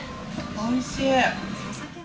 おいしい。